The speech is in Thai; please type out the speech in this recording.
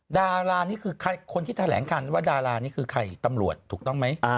ดารานี่คือคนที่แถลงกันว่าดารานี่คือใครตำรวจถูกต้องไหม